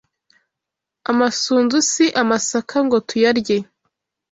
Amasunzu si amasaka ngo tuyarye